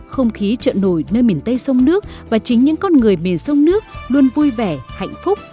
không khí chợ nổi nơi miền tây sông nước và chính những con người miền sông nước luôn vui vẻ hạnh phúc